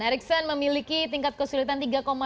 ericsson memiliki tingkat kesulitan tiga delapan